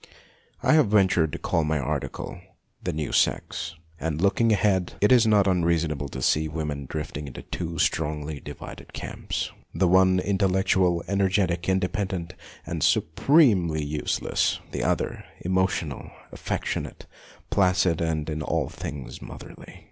I have ventured to call my article the " New Sex," and, looking ahead, it is not unreasonable to see women drifting into two strongly divided camps. The one intellectual, THE NEW SEX 151 energetic, independent, and supremely use less ; the other emotional, affectionate, placid, and in all things motherly.